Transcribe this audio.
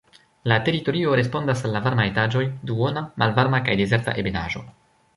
La teritorio respondas al la varma etaĝoj, duona, malvarma kaj dezerta ebenaĵo.